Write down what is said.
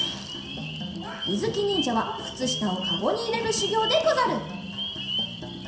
ゆづきにんじゃはくつしたをかごにいれるしゅぎょうでござる。